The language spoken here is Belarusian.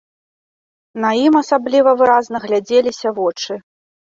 На ім асабліва выразна глядзеліся вочы.